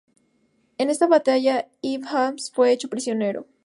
En esta batalla Ibn Hazm fue hecho prisionero.